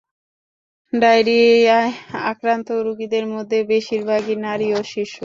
ডায়রিয়ায় আক্রান্ত রোগীদের মধ্যে বেশির ভাগই নারী ও শিশু।